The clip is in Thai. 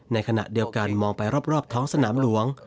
ในขณะเดียวกันมองไปรอบท้องสนามหลวง